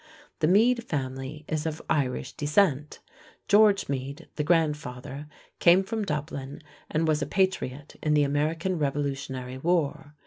The Meade family is of Irish descent. George Meade, the grandfather, came from Dublin and was a patriot in the American Revolutionary War.